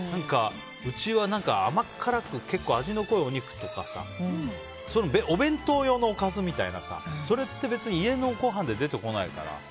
うちは甘辛く結構味の濃いお肉とかさそういうお弁当用のおかずっていうのがそれって別に家のごはんで出てこないから。